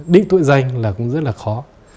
định tội dành là cũng rất là khó